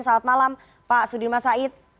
selamat malam pak sudirman said